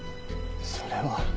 それは。